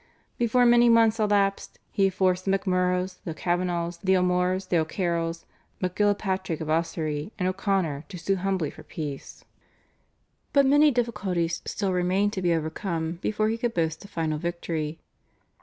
Before many months elapsed he forced the MacMurroughs, the Kavanaghs, the O'Moores, the O'Carrolls, MacGillapatrick of Ossory, and O'Connor to sue humbly for peace. But many difficulties still remained to be overcome before he could boast of final victory.